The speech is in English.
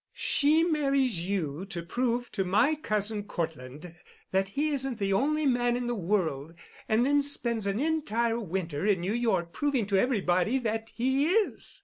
"She marries you to prove to my cousin Cortland that he isn't the only man in the world, and then spends an entire winter in New York proving to everybody that he is.